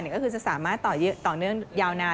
ก็คือจะสามารถต่อเนื่องยาวนาน